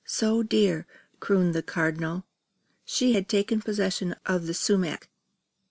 So dear!" crooned the Cardinal She had taken possession of the sumac.